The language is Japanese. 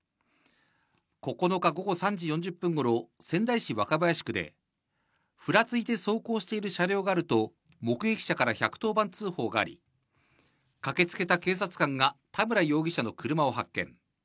９日午後３時４０分ごろ、仙台市若林区で、ふらついて走行している車両があると、目撃者から１１０番通報があり、駆けつけた警察官が田村容疑者の車を発見。